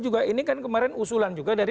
juga ini kan kemarin usulan juga dari